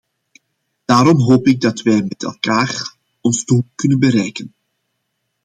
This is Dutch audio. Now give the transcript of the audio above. Daarom hoop ik dat wij met elkaar ons doel kunnen bereiken.